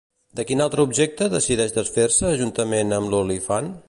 De quin altre objecte decideix desfer-se juntament amb l'olifant?